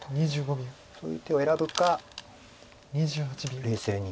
そういう手を選ぶか冷静に。